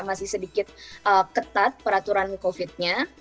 masih sedikit ketat peraturan covid nya